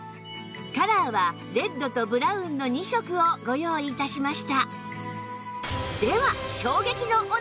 カラーはレッドとブラウンの２色をご用意致しました